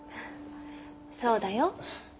そうだよ。